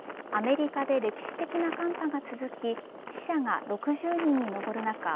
アメリカで歴史的な寒波が続き死者が６０人に上る中